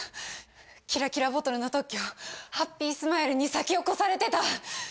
キラキラボトルの特許ハッピースマイルに先を越されてた。